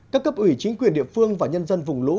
các cấp ủy chính quyền địa phương và nhân dân vùng lũ